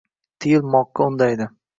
Tiyilmoqqa undaydi.